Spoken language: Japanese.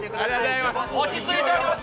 落ち着いております。